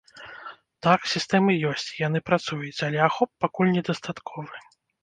Так, сістэмы ёсць, і яны працуюць, але ахоп пакуль недастатковы.